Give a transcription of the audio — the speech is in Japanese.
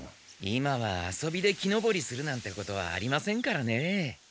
今は遊びで木登りするなんてことはありませんからね。